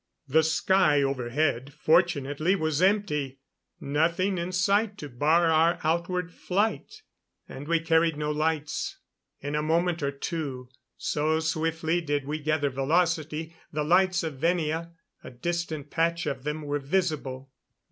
The sky overhead fortunately was empty nothing in sight to bar our outward flight. And we carried no lights. In a moment or two, so swiftly did we gather velocity, the lights of Venia a distant patch of them were visible.